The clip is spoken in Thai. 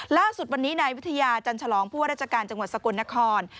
ล่าสุดวันนี้นายวิทยาจันฉลองผู้ว่าราชการจังหวัดสกลนคร